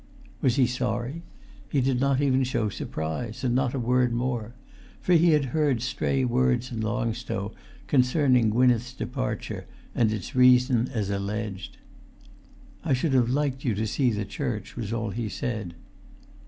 Was he sorry? He did not even show surprise; and not a word more: for he had heard stray words in Long Stow concerning Gwynneth's departure and its reason as alleged. "I should have liked you to see the church," was all he said.